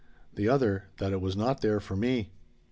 The other that it was not there for me.